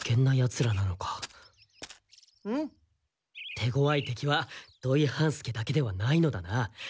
手ごわい敵は土井半助だけではないのだな。